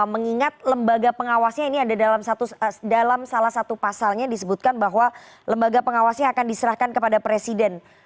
mengingat lembaga pengawasnya ini ada dalam salah satu pasalnya disebutkan bahwa lembaga pengawasnya akan diserahkan kepada presiden